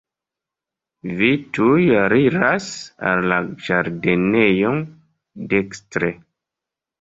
Vi tuj aliras al la ĝardenoj, dekstre.